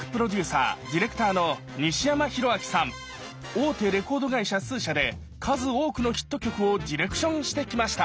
大手レコード会社数社で数多くのヒット曲をディレクションしてきました。